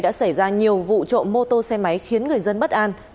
đã xảy ra nhiều vụ trộm mô tô xe máy khiến người dân bất an